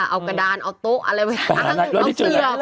เอากระดานเอาโต๊ะอะไรไปอ้าง